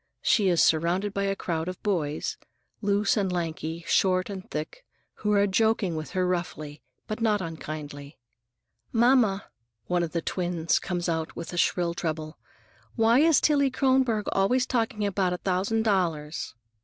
She is surrounded by a crowd of boys,—loose and lanky, short and thick,—who are joking with her roughly, but not unkindly. "Mamma," one of the twins comes out in a shrill treble, "why is Tillie Kronborg always talking about a thousand dollars?"